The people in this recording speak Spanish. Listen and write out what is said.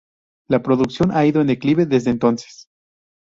La producción ha ido en declive desde entonces.